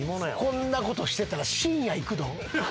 こんなことしてたら深夜いくど。